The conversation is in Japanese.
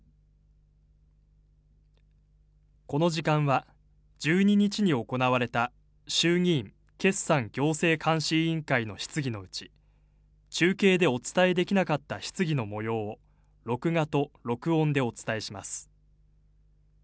この時間は、１２日に行われた衆議院決算行政監視委員会の質疑のうち、中継でお伝えできなかった質疑のもようを、録画と録音でお伝えします。